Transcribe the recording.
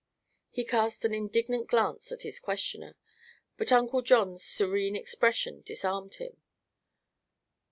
He cast an indignant glance at his questioner, but Uncle John's serene expression disarmed him.